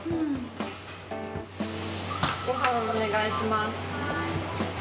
ごはんお願いします。